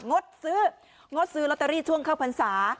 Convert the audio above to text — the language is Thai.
งดซื้องดซื้อลอตเตอรี่ช่วงเข้าพรรษา